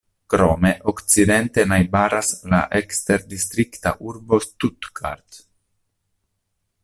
Krome okcidente najbaras la eksterdistrikta urbo Stuttgart.